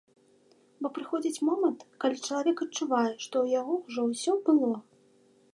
Бо прыходзіць момант, калі чалавек адчувае, што ў яго ўжо ўсё было.